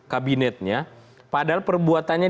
kabinetnya padahal perbuatannya